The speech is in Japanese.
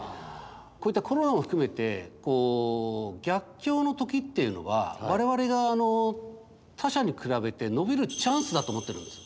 こういったコロナも含めてこう逆境の時っていうのは我々が他社に比べて伸びるチャンスだと思ってるんです。